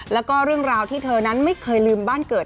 แล้วก็เรื่องราวที่เธอนั้นไม่เคยลืมบ้านเกิด